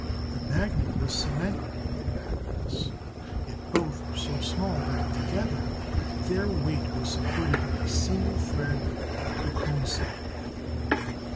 The magnet was cemented to the back of this, yet both were so small that together their weight was supported by a single thread of cocoon silk.